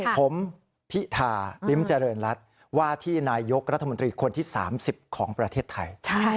ผมพิธาลิ้มเจริญรัฐว่าที่นายกรัฐมนตรีคนที่๓๐ของประเทศไทย